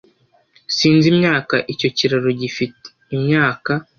Sinzi imyaka icyo kiraro gifite imyaka.